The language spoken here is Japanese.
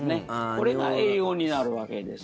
これが栄養になるわけです。